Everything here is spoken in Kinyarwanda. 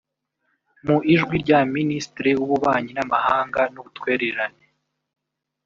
mu Ijwi rya Ministre w’ububanyi n’amahanga n’ubutwererane